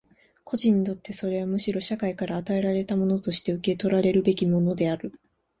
個人にとってはそれはむしろ社会から与えられたものとして受取らるべきものである。